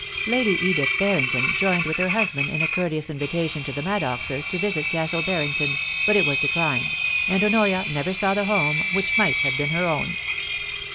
Lady Edith Barrington joined with her husband in a courteous invitation to the Maddoxes to visit Castle Bar rington, but it was declined, and Honoria never saw the home which might have been her avn.